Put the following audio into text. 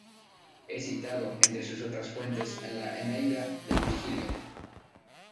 Es citado, entre otras fuentes, en la "Eneida" de Virgilio.